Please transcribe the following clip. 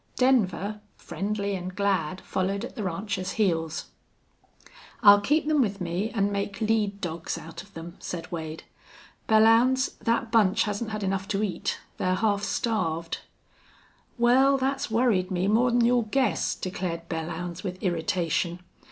Denver, friendly and glad, followed at the rancher's heels. "I'll keep them with me an' make lead dogs out of them," said Wade. "Belllounds, that bunch hasn't had enough to eat. They're half starved." "Wal, thet's worried me more'n you'll guess," declared Belllounds, with irritation.